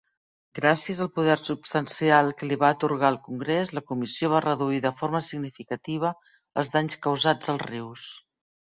Gràcies al poder substancial que li va atorgar el Congrés, la comissió va reduir de forma significativa els danys causats als rius.